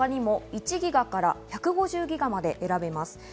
１ギガから１５０ギガまで選べます。